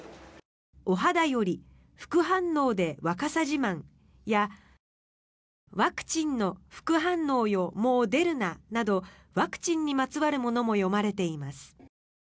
「お肌より副反応で若さ自慢」や「ワクチンの副反応よもうデルナ」などワクチンのまつわるものも詠まれています。